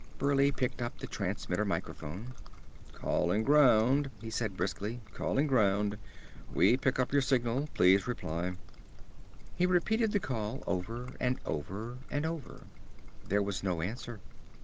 Burleigh picked up the transmitter microphone. "Calling ground," he said briskly. "Calling ground! We pick up your signal. Please reply." He repeated the call, over and over and over. There was no answer.